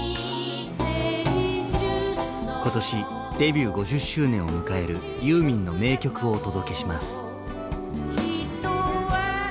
今年デビュー５０周年を迎える「ユーミン」の名曲をお届けします。